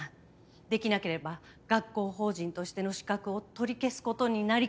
できなければ学校法人としての資格を取り消す事になりかねないと。